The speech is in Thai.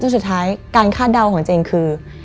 สุดท้ายการคาดเดาของเจนคือ